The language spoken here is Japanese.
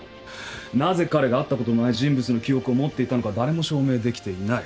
なぜ彼が会ったことのない人物の記憶を持っていたのか誰も証明できていない。